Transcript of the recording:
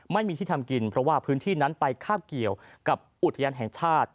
ไม่มีที่ทำกินเพราะว่าพื้นที่นั้นไปคาบเกี่ยวกับอุทยานแห่งชาติ